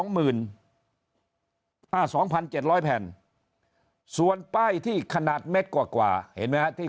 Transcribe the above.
๒หมื่น๒๗๐๐แผ่นส่วนป้ายที่ขนาดเม็ดกว่ากว่าเห็นไหมที่